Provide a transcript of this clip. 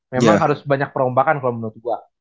memang harus banyak perombakan kalau menurut gua